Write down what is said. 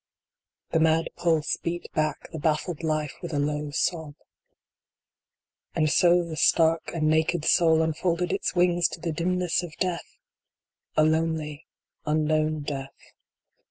The mad pulse beat back the baffled life with a low sob. And so the stark and naked soul unfolded its wings to the dimness of Death ! A lonely, unknown Death.